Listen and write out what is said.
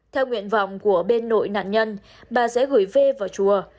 theo nguyện vọng của bên nội nạn nhân bà sẽ gửi về vào chùa